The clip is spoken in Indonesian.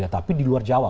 tapi di luar jawa